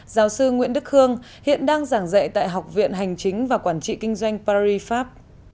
giáo sư nguyễn đức khương hiện đang giảng dạy tại học viện hành chính và quản trị kinh doanh paris pháp